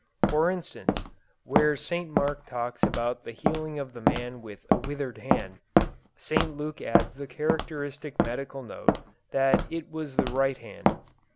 For instance, where St. Mark talks about the healing of the man with a withered hand, St. Luke adds the characteristic medical note that it was the right hand.